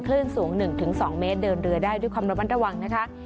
คลื่นสูง๑๒เมตรเดินเรือได้ด้วยความระมัดระวังนะคะ